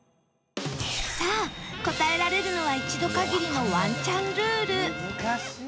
さあ答えられるのは１度限りのワンチャンルール